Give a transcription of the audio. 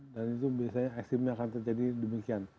dan itu biasanya ekstrimnya akan terjadi demikian